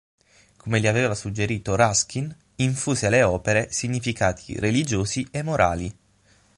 Come gli aveva suggerito Ruskin infuse alle opere significati religiosi e morali.